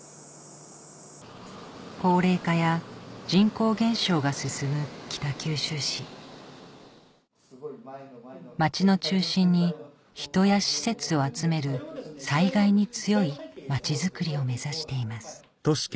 高齢化や人口減少が進む北九州市町の中心に人や施設を集める災害に強い町づくりを目指しています